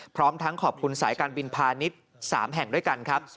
พร้อมทั้งขอบคุณสายการบินพาณิชย์๓แห่งด้วยกันครับ